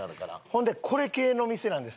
ほんでこれ系の店なんです次は。